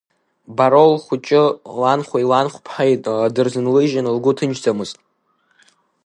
Бароу лхәыҷы ланхәеи ланхәԥҳаи дырзынлыжьын, лгәы ҭынчӡамызт.